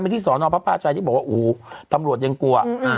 ที่สอนอพระภาชัยที่บอกว่าโอ้โหตำรวจยังกลัวอ่า